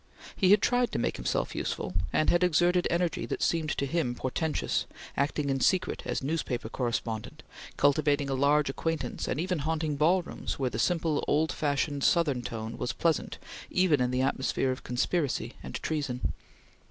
He had tried to make himself useful, and had exerted energy that seemed to him portentous, acting in secret as newspaper correspondent, cultivating a large acquaintance and even haunting ballrooms where the simple, old fashioned, Southern tone was pleasant even in the atmosphere of conspiracy and treason.